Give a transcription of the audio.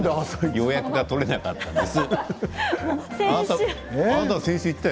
予約が取れなかったんです。